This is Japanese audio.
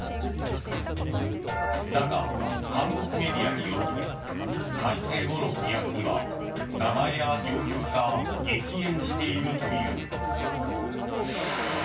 だが、韓国メディアによると改正後の規約には名前や業績が激減しているという。